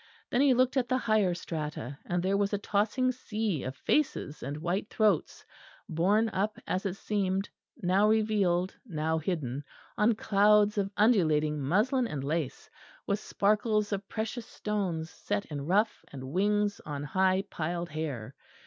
Then he looked at the higher strata, and there was a tossing sea of faces and white throats, borne up as it seemed now revealed, now hidden on clouds of undulating muslin and lace, with sparkles of precious stones set in ruff and wings and on high piled hair.